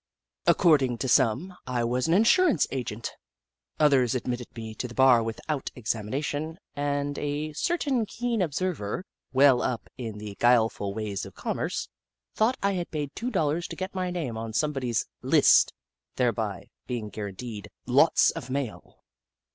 Ac cording to some, I was an insurance agent. Others admitted me to the bar without ex amination, and a certain keen observer, well up in the guileful ways of commerce, thought I had paid two dollars to get my name on some body's "list," thereby being guaranteed "lots of mail."